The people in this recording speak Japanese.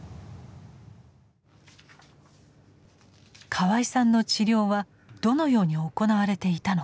河合さんの治療はどのように行われていたのか。